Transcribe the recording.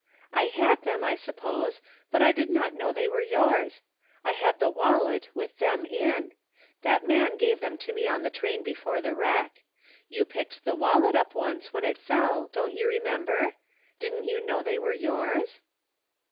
" I had them, I suppose, but I did not know they were yours. I had the wallet, with them in. That man gave them to me on the train before the wreck. You 184 n (t THE FINDING OF JASPER HOLT picked the wallet up once when it fell, don't you remem ber ? Didn't you know they were yours